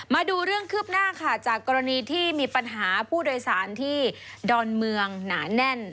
มาดูเรื่องคืบหน้าค่ะจากกรณีที่มีปัญหาผู้โดยสารที่ดอนเมืองหนาแน่น